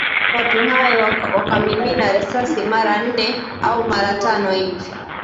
Watu hai wakamimina risasi mara nne au mara tano hivi